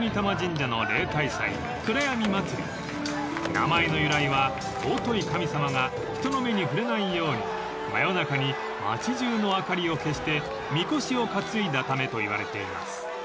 ［名前の由来は尊い神様が人の目に触れないように真夜中に町じゅうの明かりを消してみこしを担いだためといわれています］